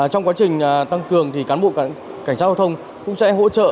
trong quá trình tăng cường thì cán bộ cảnh sát giao thông cũng sẽ hỗ trợ